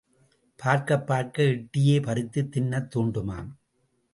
பார்க்கப் பார்க்க, எட்டியே பறித்துத் தின்னத் தூண்டுமாம்.